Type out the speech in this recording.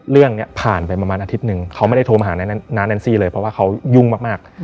เรื่องนี้ผ่านไปประมาณอาทิตย์หนึ่งเขาไม่ได้โทรมาหาน้าแอนซี่เลยเพราะว่าเขายุ่งมาก